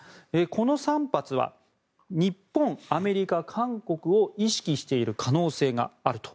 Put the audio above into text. この３発は日本、アメリカ、韓国を意識している可能性があると。